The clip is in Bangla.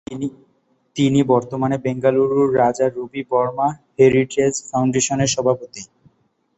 তিনি বর্তমানে বেঙ্গালুরুর রাজা রবি বর্মা হেরিটেজ ফাউন্ডেশনের সভাপতি।